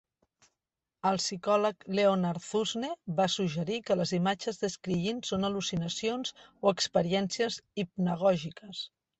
El psicòleg Leonard Zusne va suggerir que les imatges de 'scrying' són al·lucinacions o experiències hipnagògiques.